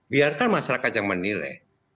biarkan masyarakat yang menilai